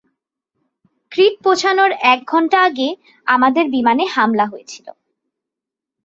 ক্রিট পৌঁছানোর এক ঘণ্টা আগে আমাদের বিমানে হামলা হয়েছিল।